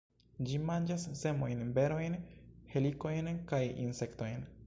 Ĝi manĝas semojn, berojn, helikojn kaj insektojn.